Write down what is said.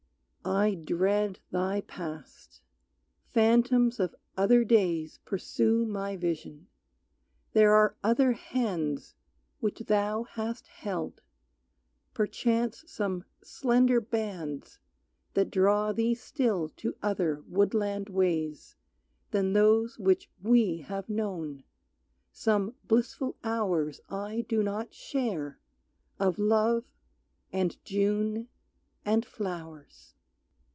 I dread thy past. Phantoms of other days Pursue my vision. There are other hands Which thou hast held, perchance some slender bands That draw thee still to other woodland ways Than those which we have known, some blissful hours I do not share, of love, and June, and flowers.